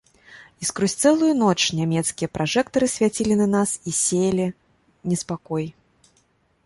І скрозь цэлую ноч нямецкія пражэктары свяцілі на нас і сеялі неспакой.